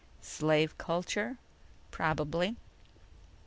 "Slave culture?" "Probably."